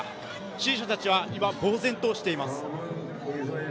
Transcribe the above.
支持者たちは今、ぼう然としています。